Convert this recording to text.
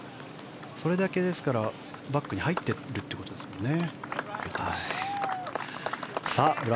それだけ、バックに入っているということですもんね。